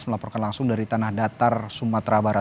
melaporkan langsung dari tanah datar sumatera barat